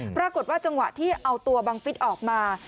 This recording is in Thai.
ปรากฏว่าจังหวะที่เอาตัวบังฟิศออกมา